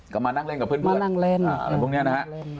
ก็มานั่งเล่นกับเพื่อนนั่งเล่นอะไรพวกนี้นะฮะ